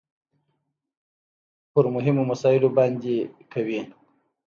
په مهمو مسايلو باندې کوي .